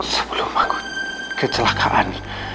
sebelum aku kecelakaan